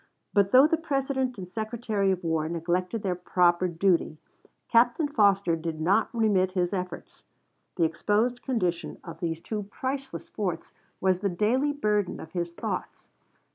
But though the President and Secretary of War neglected their proper duty, Captain Foster did not remit his efforts. The exposed condition of these two priceless forts was the daily burden of his thoughts.